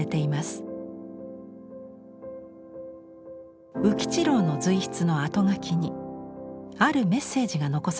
宇吉郎の随筆の後書きにあるメッセージが残されています。